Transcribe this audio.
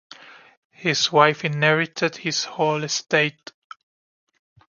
His wife inherited his whole estate.